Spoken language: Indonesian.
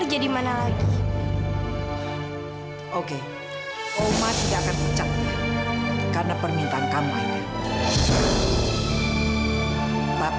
jadi ibu bawain makan siang ya